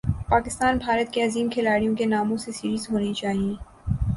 پاکستان بھارت کے عظیم کھلاڑیوں کے ناموں سے سیریز ہونی چاہیے